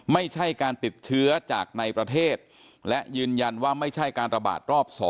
ไม่ใช่การติดเชื้อจากในประเทศและยืนยันว่าไม่ใช่การระบาดรอบ๒